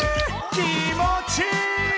気持ちいい！